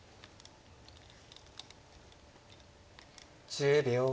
１０秒。